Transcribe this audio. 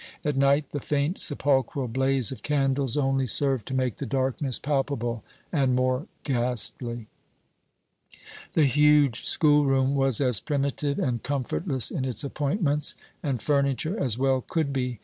At night the faint, sepulchral blaze of candles only served to make the darkness palpable and more ghastly. The huge school room was as primitive and comfortless in its appointments and furniture as well could be.